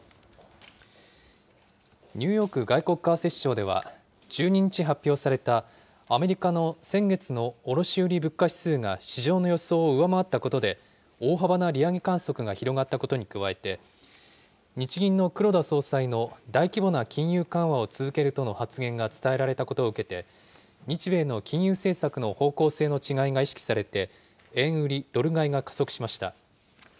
ニューヨーク外国為替市場では、１２日発表されたアメリカの先月の卸売物価指数が市場の予想を上回ったことで大幅な利上げ観測が広がったことに加えて、日銀の黒田総裁の大規模な金融緩和を続けるとの発言が伝えられたことを受けて、日米の金融政策の方向性の違いが意識されて、円売りドル買いが加速しました。